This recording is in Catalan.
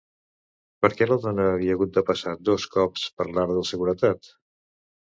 Per què la dona havia hagut de passar dos cops per l'arc de seguretat?